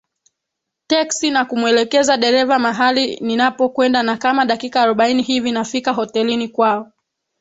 teksi na kumwelekeza dereva mahali ninapokwenda na kama dakika arobaini hivi nafika hotelini kwao